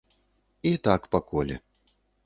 І так па коле.